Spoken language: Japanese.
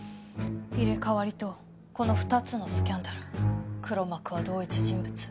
入れ替わりとこの２つのスキャンダル黒幕は同一人物。